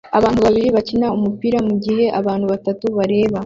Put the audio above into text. Abantu babiri bakina umupira mugihe abantu batatu bareba